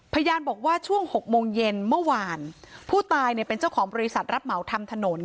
พยานบอกว่าช่วงหกโมงเย็นเมื่อวานผู้ตายเนี่ยเป็นเจ้าของบริษัทรับเหมาทำถนน